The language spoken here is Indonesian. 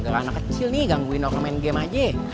gimana anak kecil nih gangguin om main game aja